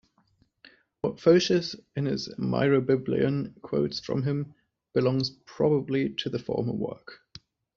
What Photius in his "Myrobiblion" quotes from him, belongs probably to the former work.